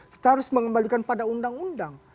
kita harus mengembalikan pada undang undang